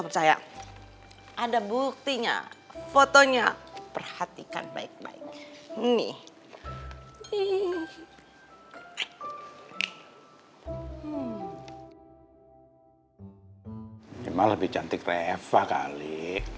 cuma lebih cantik reva kali